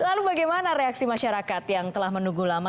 lalu bagaimana reaksi masyarakat yang telah menunggu lama